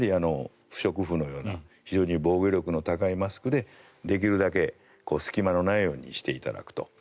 不織布のような非常に防御力の高いマスクでできるだけ隙間のないようにしていただくと。